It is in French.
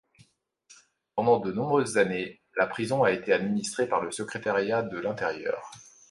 Pendant de nombreuses années, la prison a été administrée par le Secrétariat de l'intérieur.